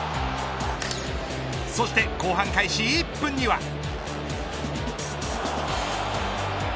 そして後半開始１分には。